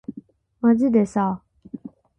まじでさ